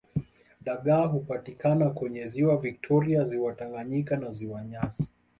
Dagaa hupatikana kwenye ziwa victoria ziwa Tanganyika na ziwa nyasa